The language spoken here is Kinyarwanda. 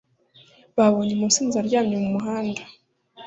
Babonye umusinzi aryamye mumuhanda.